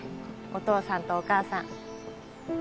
お父さんとお母さん